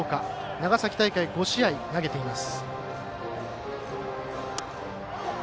長崎大会、５試合投げています。